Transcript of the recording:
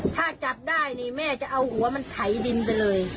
ถ้าจับได้นี่แม่จะเอาหัวมันไถดินไปเลย